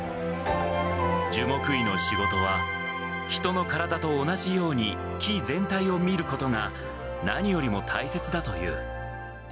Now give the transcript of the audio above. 樹木医の仕事は、人の体と同じように木全体を見ることが何よりも大切だという。